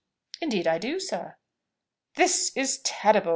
"Indeed I do, sir." "This is terrible!"